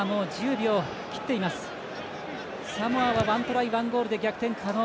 サモアは１トライ、１ゴールで逆転可能。